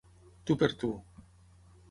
Tu per tu.